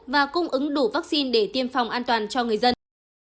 và cung ứng đủ vaccine để tiêm phòng an toàn cho người dân